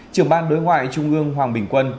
trưởng ban đối ngoại trung ương hoàng bình quân